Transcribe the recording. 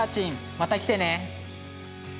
また来てね